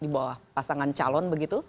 di bawah pasangan calon begitu